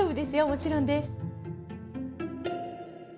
もちろんです。